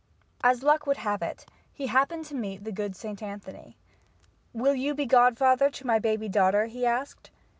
As luck would have it, he happened to meet the good St. Anthony. "Will you be godfather to my baby daughter?" he asked.